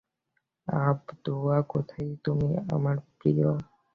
আবদুয়া কোথায় তুমি, আমার প্রিয়?